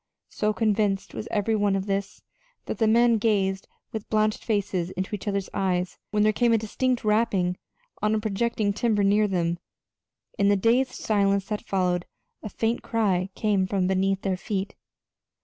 So convinced was every one of this that the men gazed with blanched faces into each other's eyes when there came a distinct rapping on a projecting timber near them. In the dazed silence that followed a faint cry came from beneath their feet.